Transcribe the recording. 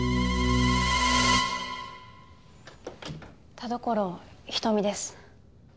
田所瞳です。